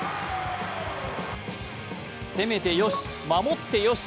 攻めてよし、守ってよし。